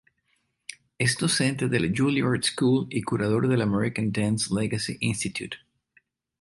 Es docente de la Juilliard School y curador del American Dance Legacy Institute.